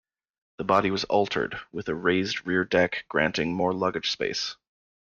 The body was altered, with a raised rear deck granting more luggage space.